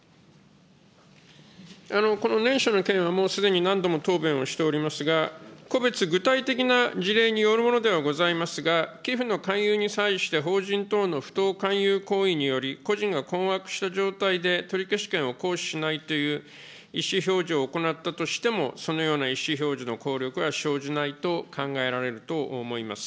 この念書の件は、すでに何度も答弁をしておりますが、個別具体的な事例によるものではございますが、寄付の勧誘に際して法人等の不当勧誘行為により、個人が困惑した状態で取消権を行使しないという意思表示を行ったとしても、そのような意思表示の効力は生じないと考えられると思います。